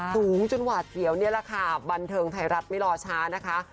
สูงจนหวาดเสียวนี่แหละค่ะบันเทิงไทยรัฐไม่รอช้านะคะ